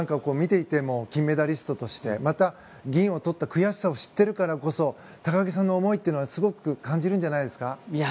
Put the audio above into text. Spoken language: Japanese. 見ていても金メダリストとしてまた、銀をとった悔しさを知っているからこそ高木さんの思いは感じるんじゃないですか？